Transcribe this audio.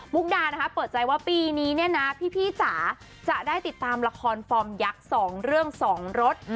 กดานะคะเปิดใจว่าปีนี้เนี่ยนะพี่จ๋าจะได้ติดตามละครฟอร์มยักษ์๒เรื่อง๒รถ